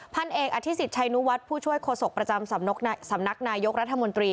พันเอกอธิสิตชัยนุวัฒน์ผู้ช่วยโฆษกประจำสำนักนายกรัฐมนตรี